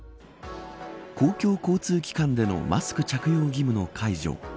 公共交通機関でのマスク着用義務の解除。